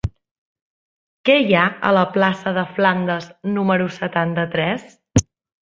Què hi ha a la plaça de Flandes número setanta-tres?